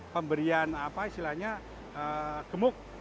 pemberian apa istilahnya gemuk